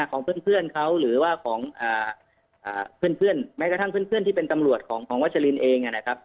ของเพื่อนเขาหรือว่าของเพื่อนแม้กระทั่งเพื่อนที่เป็นตำรวจของวัชลินเองนะครับ